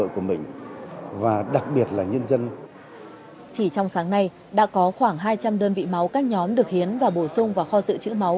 chỉ trong sáng nay đã có khoảng hai trăm linh đơn vị máu các nhóm được hiến và bổ sung vào kho dự trữ máu